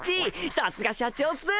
さすが社長っす！